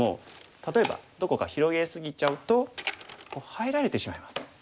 例えばどこか広げ過ぎちゃうと入られてしまいます。